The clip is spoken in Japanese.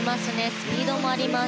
スピードもあります。